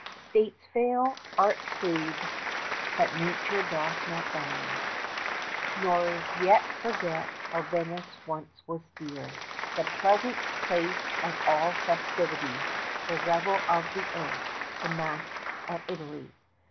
States fall, arts fade but Nature doth not die, Nor yet forget how Venice once was dear, 25 The pleasant place of all festivity, The revel of the earth, the masque of Italy!